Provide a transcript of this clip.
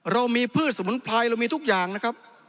เรามีพืชสมุนไพรเรามีทุกอย่างนะครับ